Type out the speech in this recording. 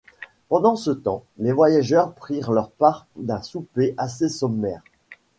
Pendant ce temps, les voyageurs prirent leur part d’un souper assez sommaire.